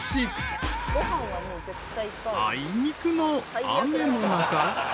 ［あいにくの雨の中］